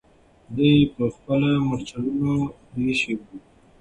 دوی به خپل مرچلونه پرېښي وي.